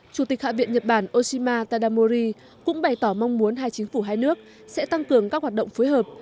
chủ tịch hạ viện nhật bản oshima tadamori cũng bày tỏ mong muốn hai chính phủ hai nước sẽ tăng cường các hoạt động phối hợp